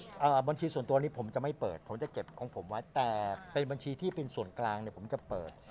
อ่าบัญชีส่วนตัวนี้ผมจะไม่เปิดผมจะเก็บของผมไว้แต่เป็นบัญชีที่เป็นส่วนกลางเนี่ยผมจะเปิด